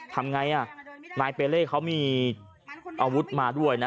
ทำไงอ่ะนายเปเล่เขามีอาวุธมาด้วยนะ